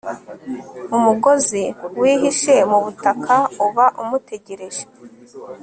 umugozi wihishe mu butaka uba umutegereje